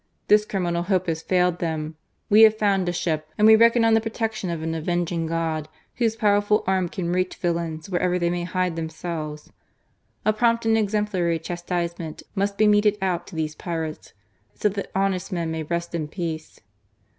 This criminal hope has failed them. We have i62 GARCIA MORENO. found a ship, and we reckon on the protection of an avenging God Whose powerful arm can reach villains wherever they may hide themselves, A prompt and exemplary chastisement must be meted out to these pirates, so that honest men may rest in peace.